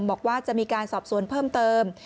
บอกว่าจะมีการสอบสวนเพิ่มเติม